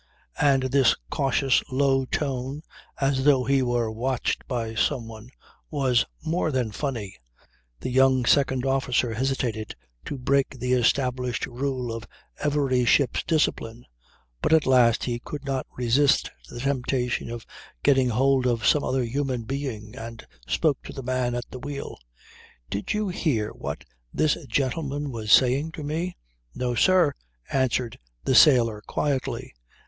And this cautious low tone as though he were watched by someone was more than funny. The young second officer hesitated to break the established rule of every ship's discipline; but at last could not resist the temptation of getting hold of some other human being, and spoke to the man at the wheel. "Did you hear what this gentleman was saying to me?" "No, sir," answered the sailor quietly.